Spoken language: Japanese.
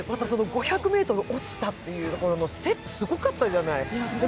また、５００ｍ落ちたっていうところのセットすごかったじゃない。